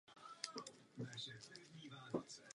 Mluvil šesti jazyky.